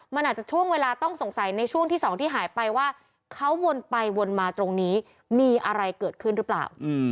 มันอาจจะช่วงเวลาต้องสงสัยในช่วงที่สองที่หายไปว่าเขาวนไปวนมาตรงนี้มีอะไรเกิดขึ้นหรือเปล่า